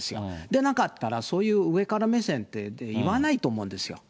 出なかったら、そういう上から目線で言わないと思うんですよ。